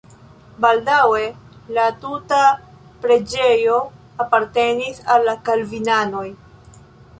Baldaŭe la tuta preĝejo apartenis al la kalvinanoj.